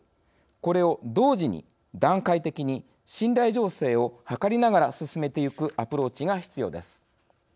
これを、同時に、段階的に信頼醸成を図りながら進めてゆくアプローチが必要です。